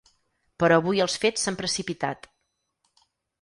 Però avui els fets s’han precipitat.